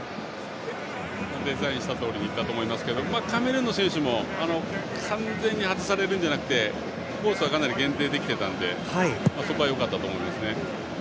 デザインしたとおりにいったと思いますがカメルーンの選手も完全に外されるんじゃなくてコースはかなり限定できていたのでそこはよかったと思いますね。